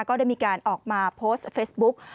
ก็ได้มีการออกมาโพสต์เฟซบุ๊ก